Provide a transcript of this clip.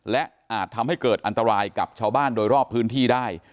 และอาจทำให้เกิดอันตรายกับชาวบ้านโดยรอบพื้นที่ได้